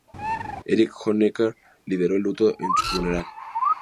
Erich Honecker lideró el luto en su funeral.